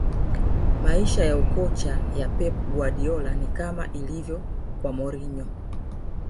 maisha ya ukocha ya pep guardiola ni kama ilivyo kwa mourinho